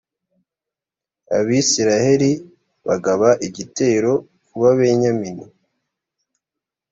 abisirayeli bagaba igitero ku babenyamini